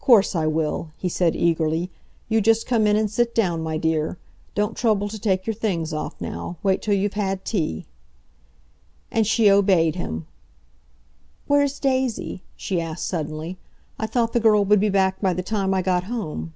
"'Course I will," he said eagerly. "You just come in and sit down, my dear. Don't trouble to take your things off now—wait till you've had tea." And she obeyed him. "Where's Daisy?" she asked suddenly. "I thought the girl would be back by the time I got home."